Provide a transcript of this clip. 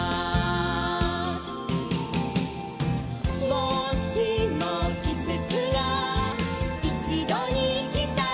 「もしもきせつがいちどにきたら」